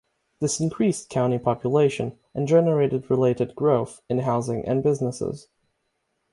This increased county population and generated related growth in housing and businesses.